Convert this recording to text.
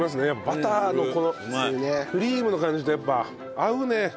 いやバターのこのクリームの感じとやっぱ合うね。